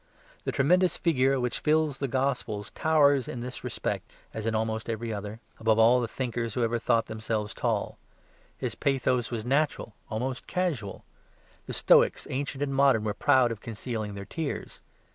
The tremendous figure which fills the Gospels towers in this respect, as in every other, above all the thinkers who ever thought themselves tall. His pathos was natural, almost casual. The Stoics, ancient and modern, were proud of concealing their tears.